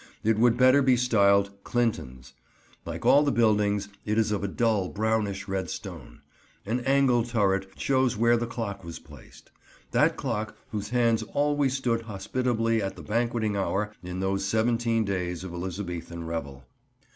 It would better be styled "Clinton's." Like all the buildings, it is of a dull, brownish red stone. An angle turret shows where the clock was placed: that clock whose hands always stood hospitably at the banqueting hour in those seventeen days of Elizabethan revel.